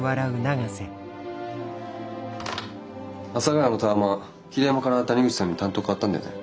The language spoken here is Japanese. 阿佐ヶ谷のタワマン桐山から谷口さんに担当替わったんだよね？